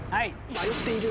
迷っている。